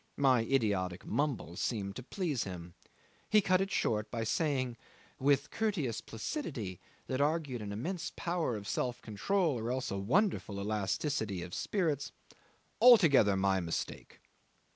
My idiotic mumble seemed to please him. He cut it short by saying, with courteous placidity that argued an immense power of self control or else a wonderful elasticity of spirits "Altogether my mistake."